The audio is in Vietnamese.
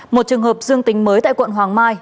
một trường hợp dương tính mới tại quận hoàng mai